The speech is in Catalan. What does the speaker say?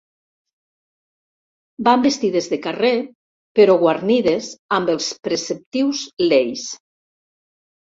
Van vestides de carrer, però guarnides amb els preceptius leis.